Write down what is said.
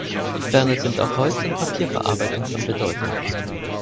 Ferner sind auch Holz- und Papierverarbeitung von Bedeutung.